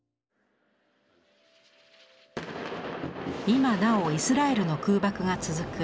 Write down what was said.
今なおイスラエルの空爆が続く